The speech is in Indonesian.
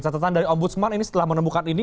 catatan dari om budsman ini setelah menemukan ini